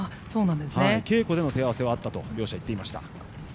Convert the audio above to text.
稽古での手合わせはあったと両者言っていました。